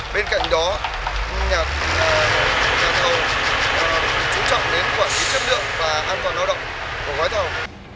bên cạnh đó nhà thầu chú trọng đến quản lý chất lượng và an toàn lao động của gói thầu